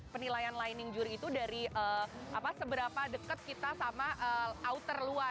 penilaian lining juri itu dari seberapa dekat kita sama outer luar